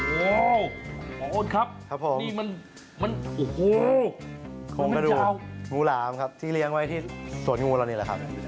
หมออดครับนี่มันนะงูหลามครับส่วนงูหลานี่แหละครับ